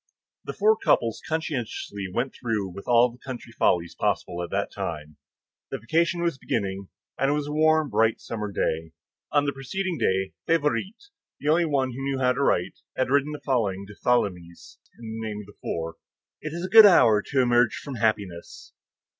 The four couples conscientiously went through with all the country follies possible at that time. The vacation was beginning, and it was a warm, bright, summer day. On the preceding day, Favourite, the only one who knew how to write, had written the following to Tholomyès in the name of the four: "It is a good hour to emerge from happiness."